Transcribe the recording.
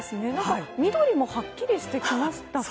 緑もはっきりしてきましたか。